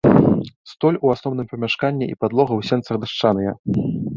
Столь у асноўным памяшканні і падлога ў сенцах дашчаныя.